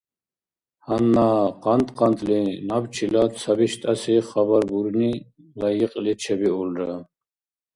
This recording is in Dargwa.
Гьанна къантӀ-къантӀли набчила ца биштӀаси хабар бурни лайикьли чебиулра.